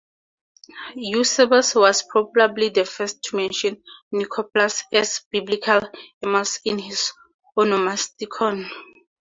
Eusebius was probably the first to mention Nicopolis as biblical Emmaus in his Onomasticon.